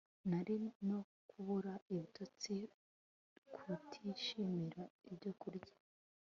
nirari no kubura ibitotsi Kutishimira ibyokurya